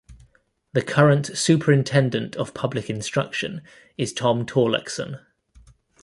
The current Superintendent of Public Instruction is Tom Torlakson.